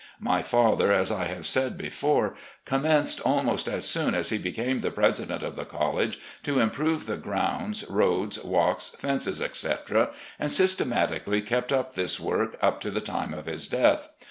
My father, as I have said before, commenced almost as soon as he became the president of the college to im prove the grounds, roads, walks, fences, etc., and syste matically kept up this work up to the time of his death.